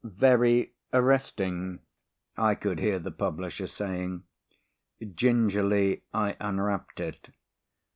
"Very arresting," I could hear the publisher saying. Gingerly I unwrapped it.